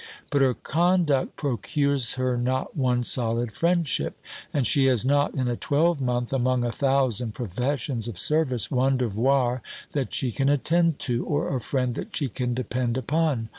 But her conduct procures her not one solid friendship, and she has not in a twelvemonth, among a thousand professions of service, one devoir that she can attend to, or a friend that she can depend upon.